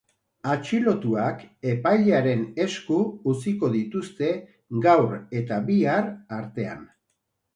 Atxilotuak epailearen esku utziko dituzte gaur eta bihar artean.